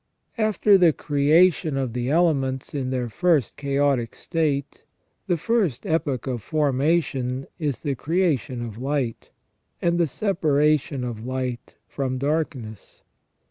* After the creation of the elements in their iirst chaotic state, the first epoch of formation is the creation of light, and the separation of light from darkness.